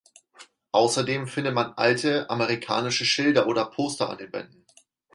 Außerdem findet man alte amerikanische Schilder oder Poster an den Wänden.